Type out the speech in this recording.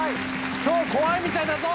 今日怖いみたいだぞ！